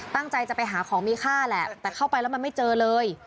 ตั้งใจจะไปหาของมีค่าแหละแต่เข้าไปแล้วมันไม่เจอเลย